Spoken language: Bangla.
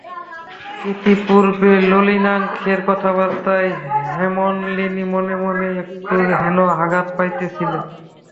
ইতিপূর্বে নলিনাক্ষের কথাবার্তায় হেমনলিনী মনে মনে একটু যেন আঘাত পাইতেছিল।